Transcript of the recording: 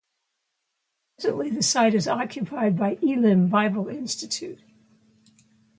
Presently the site is occupied by Elim Bible Institute.